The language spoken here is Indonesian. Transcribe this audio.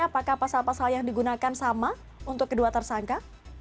apakah pasal pasal yang digunakan sama untuk kedua tersangka